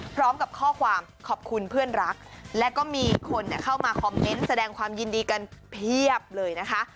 พร้อมกับข้อความขอบคุณเพื่อนรักและก็มีคนเข้ามาคอมเมนต์แสดงความยินดีกันเพียบเลยนะคะ